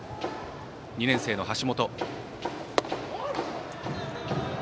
２年生の橋本。